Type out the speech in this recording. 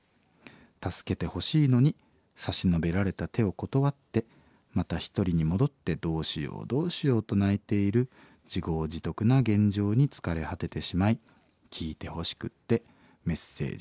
助けてほしいのに差し伸べられた手を断ってまた一人に戻ってどうしようどうしようと泣いている自業自得な現状に疲れ果ててしまい聞いてほしくてメッセージを送りました」。